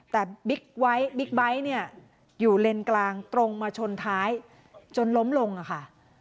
แต่บิ๊กไบท์อยู่เลนกลางตรงมาชนท้ายจนล้มลงค่ะ